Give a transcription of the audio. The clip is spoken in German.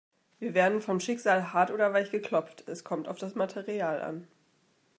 Wir werden vom Schicksal hart oder weich geklopft. - Es kommt auf das Material an.